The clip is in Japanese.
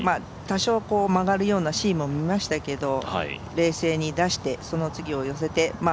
多少、曲がるようなシーンも見ましたけど冷静に出して、その次を寄せて。